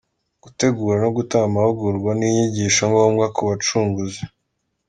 – Gutegura no gutanga amahugurwa n’inyigisho ngombwa ku Bacunguzi;